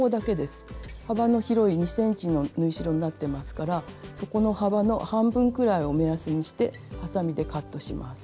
幅の広い２ｃｍの縫い代になってますからそこの幅の半分くらいを目安にしてはさみでカットします。